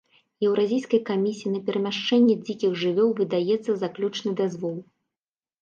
Еўразійскай камісіі на перамяшчэнне дзікіх жывёл выдаецца заключны дазвол.